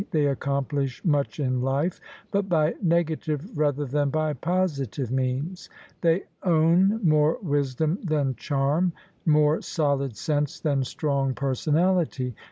They accomplish much in life: but by negative rather than by positive means. They own more wisdom than charm — more solid sense than strong personality.